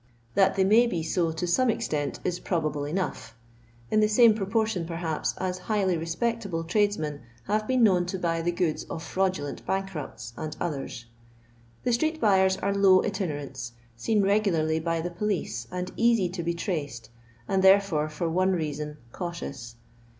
That they may be so to some extent is probable enough ; in the same pie* portion, perhaps, as highly respectable tiadesmea have been known to buy the goods of firandulent bankrupts, and others. The street buyers are low itinerants, seen regularly by the police and easy to be traced, and therefore, for one reason, cautious.